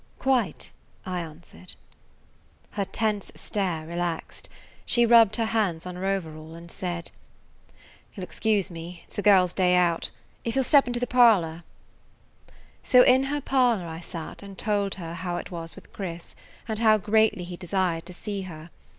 "Quite," I answered. Her tense stare relaxed. She rubbed her hands on her overall and said: "You 'll excuse me. It 's the girl's day out. If you 'll step into the parlor–" So in her parlor I sat and told her how it was with Chris and how greatly he desired to see her.